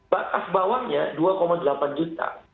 batas bawahnya dua delapan juta